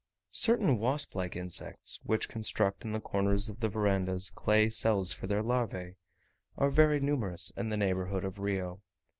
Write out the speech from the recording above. Certain wasp like insects, which construct in the corners of the verandahs clay cells for their larvae, are very numerous in the neighbourhood of Rio.